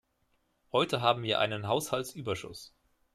Heute haben wir einen Haushaltsüberschuss.